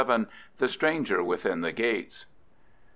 VII. THE STRANGER WITHIN THE GATES.